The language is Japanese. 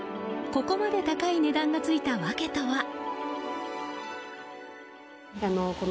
ここまで高い値段がついた訳とは？